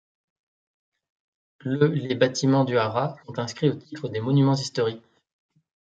Le les bâtiments du haras sont inscrits au titre des monuments historiques.